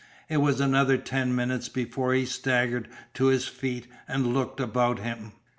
It was another ten minutes before he staggered to his feet and looked about him.